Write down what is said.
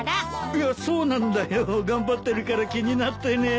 いやそうなんだよ。頑張ってるから気になってね。